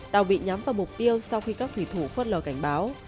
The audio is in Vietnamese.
tàu bị nhắm vào mục tiêu sau khi các thủy thủ phớt lờ cảnh báo